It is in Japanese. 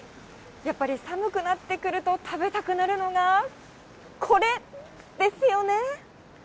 やっぱり寒くなってくると食べたくなるのが、これですよね。